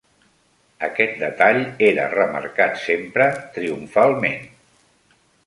Aquest detall era remarcat sempre, triomfalment